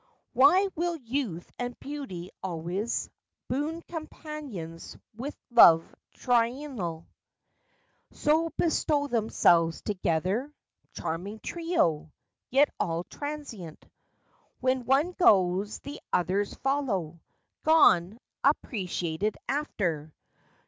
Why will youth and beauty, always Boon companions—with love trinal— So bestow themselves together ? Charming trio ! Yet all transient; When one goes, the others follow— Gone—appreciated after.